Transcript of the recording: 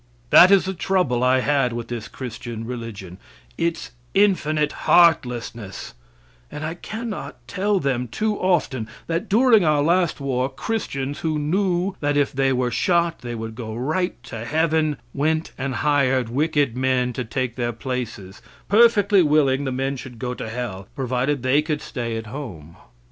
That is the trouble I had with this Christian religion its infinite heartlessness; and I cannot tell them too often that during our last war Christians who knew that if they were shot they would go right to heaven, went and hired wicked men to take their places, perfectly willing the men should go to hell, provided they could stay at home.